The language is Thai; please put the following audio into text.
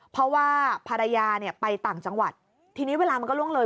เพราะว่าภรรยาเนี่ยไปต่างจังหวัดทีนี้เวลามันก็ล่วงเลย